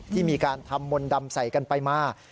ที่มีการทำมนต์ดำใส่กันไปมา